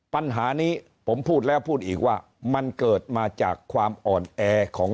ปัญหานี้ผมพูดแล้วพูดอีกว่ามันเกิดมาจากความอ่อนแอของ